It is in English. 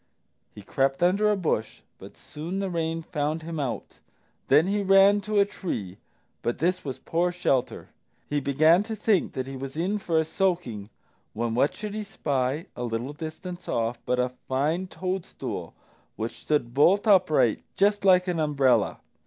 He crept under a bush, but soon the rain found him out. Then he ran to a tree, but this was poor shelter. He began to think that he was in for a soaking when what should he spy, a little distance off, but a fine toadstool which stood bolt upright just like an umbrella.